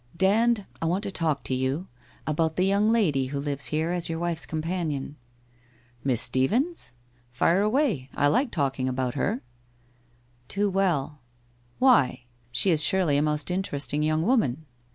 ' Dand, I want to talk to you — about the young lady who lives here as your wife's companion/ ' ZM iss Stephens? Fire away, I like talking about her/ ' Too well/ ' Why ? She is surely a most interesting young woman